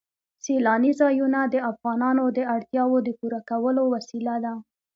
سیلانی ځایونه د افغانانو د اړتیاوو د پوره کولو وسیله ده.